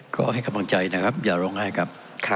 ขอให้กำลังใจนะครับอย่าร้องไห้ครับ